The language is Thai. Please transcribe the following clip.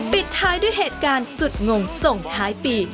ปิดท้ายด้วยเหตุการณ์สุดงงส่งท้ายปี